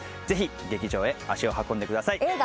ぜひ劇場へ足を運んでください。